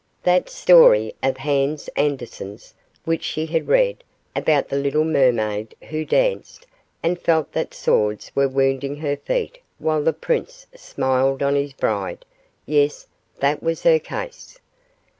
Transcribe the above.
That story of Hans Andersen's, which she had read, about the little mermaid who danced, and felt that swords were wounding her feet while the prince smiled on his bride yes, that was her case.